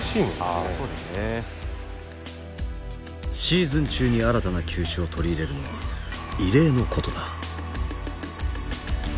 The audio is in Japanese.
シーズン中に新たな球種を取り入れるのは異例のことだ。